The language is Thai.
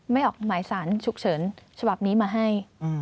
ไม่ออกหมายสารฉุกเฉินฉบับนี้มาให้